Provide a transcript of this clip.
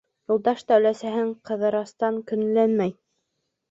Юлдаш та өләсәһен Ҡыҙырастан көнләмәй.